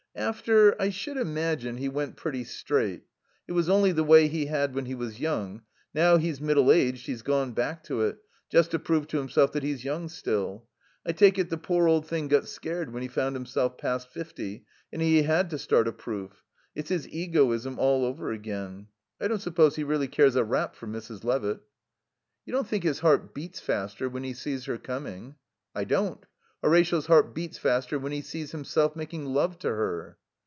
"After, I should imagine he went pretty straight. It was only the way he had when he was young. Now he's middle aged he's gone back to it, just to prove to himself that he's young still. I take it the poor old thing got scared when he found himself past fifty, and he had to start a proof. It's his egoism all over again. I don't suppose he really cares a rap for Mrs. Levitt." "You don't think his heart beats faster when he sees her coming?" "I don't. Horatio's heart beats faster when he sees himself making love to her."